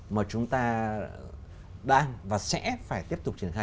mà chúng ta đang và sẽ phải tiếp tục triển khai